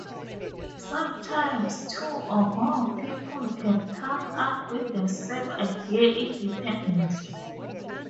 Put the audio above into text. Sometimes, two or more people can come up with the same idea independently.